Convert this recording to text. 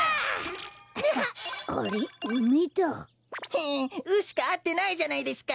フン「う」しかあってないじゃないですか。